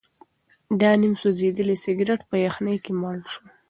دا نیم سوځېدلی سګرټ په یخنۍ کې مړ شو.